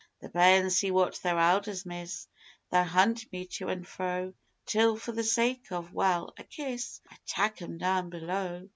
The bairns see what their elders miss; they'll hunt me to an' fro, Till for the sake of well, a kiss I tak' 'em down below.